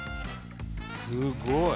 すごい！